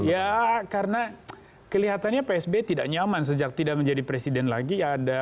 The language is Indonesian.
ya karena kelihatannya psb tidak nyaman sejak tidak menjadi presiden lagi